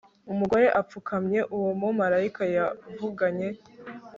Umugore apfukamye uwo mumarayika yavuganye